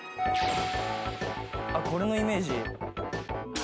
あっこれのイメージ。